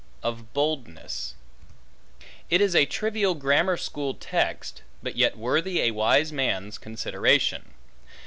Of Boldness IT IS a trivial grammar school text, but yet worthy a wise man's consideration.